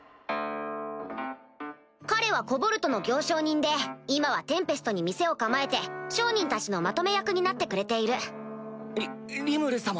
彼は犬頭族の行商人で今はテンペストに店を構えて商人たちのまとめ役になってくれているリリムル様